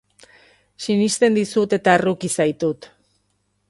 Sinesten dizut, eta erruki zaitut.